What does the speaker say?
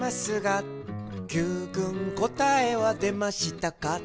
「Ｑくんこたえはでましたか？」